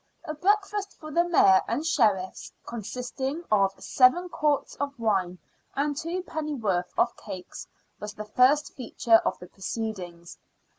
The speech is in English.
A breakfast for the Mayor and Sheriffs, consisting of seven quarts of wine and two pennyworth of cakes, was the first feature of the proceedings.